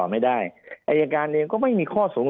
ภารกิจสรรค์ภารกิจสรรค์